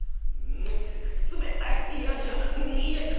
冷たいよいしょよいしょ。